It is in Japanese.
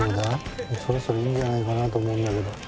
そろそろいいんじゃないかなと思うんだけど。